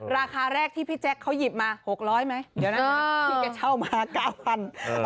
ราคาแรกที่พี่แจ๊คเขาหยิบมา๖๐๐ไหมเดี๋ยวนั้นพี่แกเช่ามา๙๐๐บาท